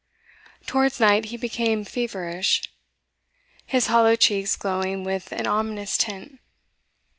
Towards night he became feverish, his hollow cheeks glowing with an ominous tint.